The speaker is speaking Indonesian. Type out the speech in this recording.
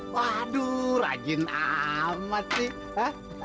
waduh rajin amat sih